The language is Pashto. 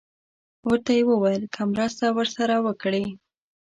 ورته یې وویل که مرسته ورسره وکړي.